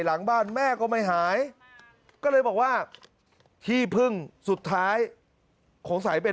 หลังบ้านแม่ก็ไม่หายก็เลยบอกว่าที่พึ่งสุดท้ายสงสัยเป็น